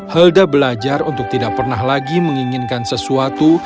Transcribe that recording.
helda belajar untuk tidak pernah lagi menginginkan sesuatu